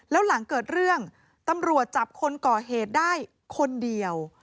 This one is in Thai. แล้วหลังเกิดเรื่องตำรวจจับคนก่อเหตุได้คนเดียว